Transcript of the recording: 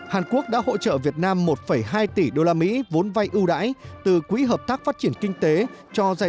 hàn quốc đã hỗ trợ việt nam một hai tỷ usd vốn vay ưu đãi từ quỹ hợp tác phát triển kinh tế cho doanh